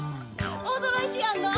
おどろいてやんの！